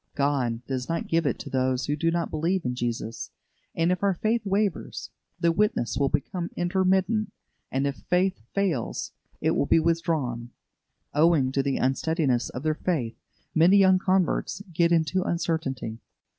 God does not give it to those who do not believe in Jesus; and if our faith wavers, the witness will become intermittent; and if faith fails, it will be withdrawn. Owing to the unsteadiness of their faith, many young converts get into uncertainty.